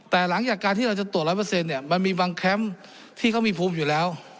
แต่หลังจากการที่เราจะตรวจ๑๐๐มันมีบางแคมป์ที่เขามีภูมิอยู่แล้ว